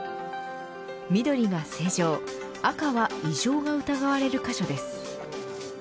緑が正常、赤は異常が疑われる箇所です。